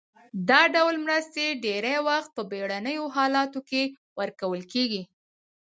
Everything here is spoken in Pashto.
دا ډول مرستې ډیری وخت په بیړنیو حالاتو کې ورکول کیږي.